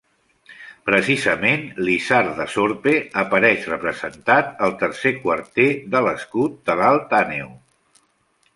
Precisament l'isard de Sorpe apareix representat al tercer quarter de l'escut d'Alt Àneu.